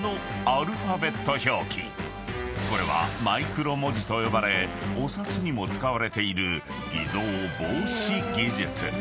［これはマイクロ文字と呼ばれお札にも使われている偽造防止技術］